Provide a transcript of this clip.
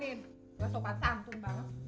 wah sopan santun banget